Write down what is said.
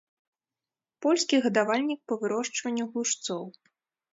Польскі гадавальнік па вырошчванню глушцоў.